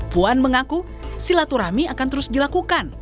puan mengaku silaturahmi akan terus dilakukan